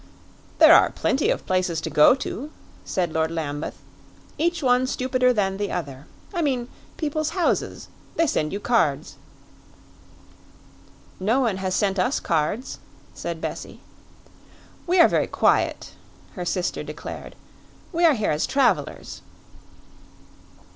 "There are plenty of places to go to," said Lord Lambeth; "each one stupider than the other. I mean people's houses; they send you cards." "No one has sent us cards," said Bessie. "We are very quiet," her sister declared. "We are here as travelers."